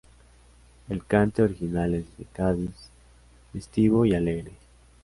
El cante original es de Cádiz, festivo y alegre.